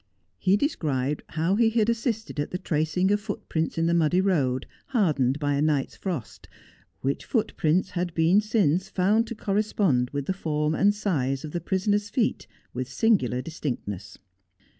Guilty. 57 He described how lie had assisted at the tracing of footprints in the muddy road, hardened by a night's frost, which footprints had been since found to correspond with the form and size of the prisoner's feet with singular distinctness.